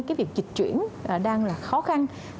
cái việc dịch chuyển đang là khó khăn